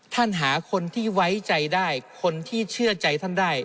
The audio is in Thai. หาคนที่ไว้ใจได้คนที่เชื่อใจท่านได้